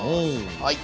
はい。